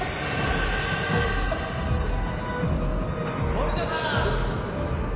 森田さん！